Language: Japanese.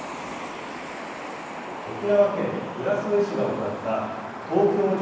沖縄県浦添市が行った投票所